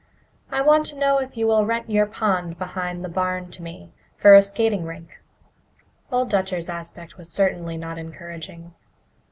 "I want to know if you will rent your pond behind the barn to me for a skating rink." Old Dutcher's aspect was certainly not encouraging.